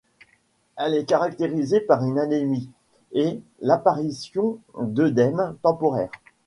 Elle est caractérisée par une anémie, et l'apparition d'œdèmes temporaires.